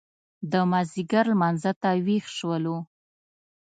د مازیګر لمانځه ته وېښ شولو.